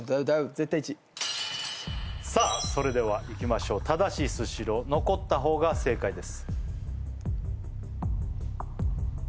絶対１さあそれではいきましょう正しいスシロー残った方が正解です